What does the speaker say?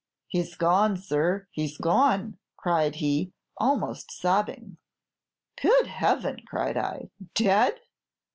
'He's gone, sir, he's gone,' cried he, almost sobbing. "'Good Heaven!' cried I. 'Dead?'